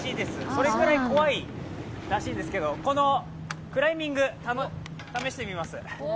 それぐらい怖いらしいんですけど、クライミング、試してみます。